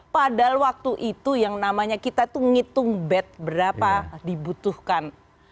padahal waktu itu yang namanya kita itu ngitung bed berapa dibutuhkan